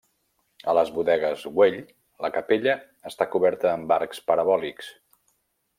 A les Bodegues Güell la capella està coberta amb arcs parabòlics.